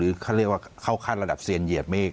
คือเขาเรียกว่าเข้าขั้นระดับเซียนเหยียดเมฆ